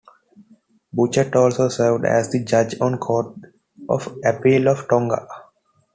Burchett also served as a judge on the Court of Appeal of Tonga.